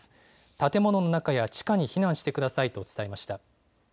建物の中や地下に避難してくださいと伝えました。